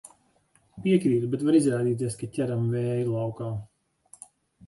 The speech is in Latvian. Piekrītu, bet var izrādīties, ka ķeram vēju laukā.